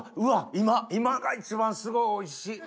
今が一番すごいおいしい。